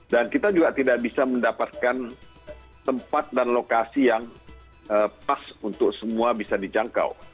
dan kita juga tidak bisa mendapatkan tempat dan lokasi yang pas untuk semua bisa dijangkau